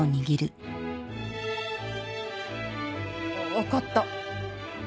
分かった。